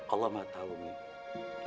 allah maha tahu bumi